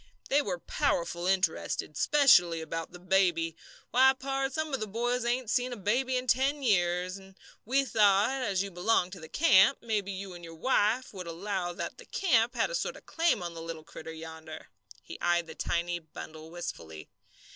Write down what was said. They were powerful interested, specially about the baby. Why, pard, some of the boys hain't seen a baby in ten years, and we thought as you belonged to the camp, maybe you and your wife would allow that the camp had a sort of claim on the little critter yonder." He eyed the tiny bundle wistfully.